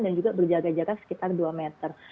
dan juga berjaga jaga sekitar dua meter